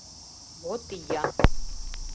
Вот ия...